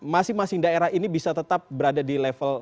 masing masing daerah ini bisa tetap berada di level